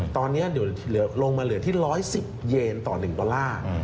ตอนนี้เดี๋ยวลงมาเหลือที่๑๑๐เยนต่อ๑ดอลลาร์